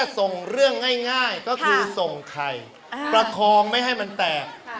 ส่งเรื่องง่ายก็คือส่งไข่ประคองไม่ให้มันแตก